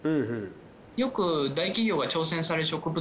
よく大企業が挑戦される植物